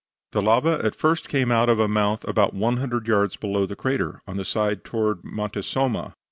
The lava at first came out of a mouth about one hundred yards below the crater, on the side toward Monte Somma.